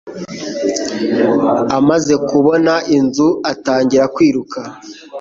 Amaze kubona inzu, atangira kwiruka.